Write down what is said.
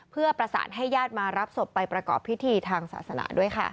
เพื่อประสานให้ญาติมารับศพไปประกอบพิธีทางศาสนาด้วยค่ะ